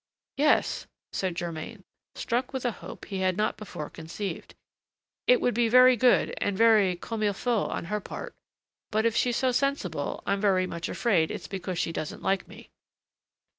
"Yes," said Germain, struck with a hope he had not before conceived; "it would be very good and very comme il faut on her part! but if she's so sensible, I am very much afraid it's because she doesn't like me."